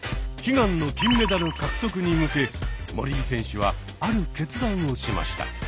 悲願の金メダル獲得に向け森井選手はある決断をしました。